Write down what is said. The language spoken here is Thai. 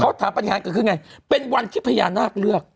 เขาถามปฏิหารเกิดขึ้นไงเป็นวันที่พญานาคเลือก